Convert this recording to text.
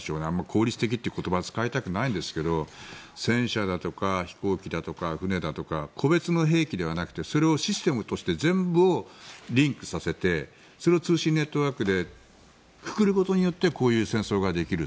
効率的という言葉を使いたくないんですけど戦車だとか飛行機だとか船だとか個別の兵器ではなくてそれをシステムとして全部をリンクさせてそれを通信ネットワークでくくることによってこういう戦争ができる。